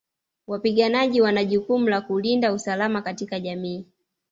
Wapiganaji wana jukumu la kulinda usalama katika jamii